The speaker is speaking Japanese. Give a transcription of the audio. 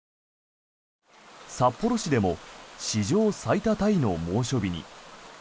札幌市でも史上最多タイの猛暑日に。